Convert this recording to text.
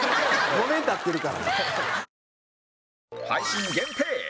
５年経ってるから。